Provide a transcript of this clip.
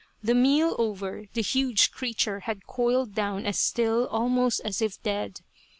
The meal over, the huge creature had coiled down as still almost as if dead.